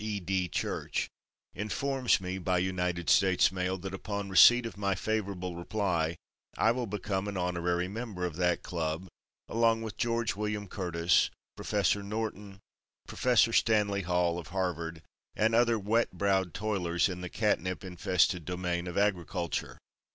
E. D. Church, informs me by United States mail that upon receipt of my favorable reply I will become an honorary member of that Club, along with George William Curtis, Prof. Norton, Prof. Stanley Hall, of Harvard, and other wet browed toilers in the catnip infested domain of Agriculture.